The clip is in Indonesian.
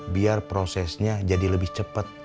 biar prosesnya jadi lebih cepat